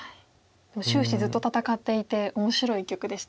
終始ずっと戦っていて面白い一局でしたね。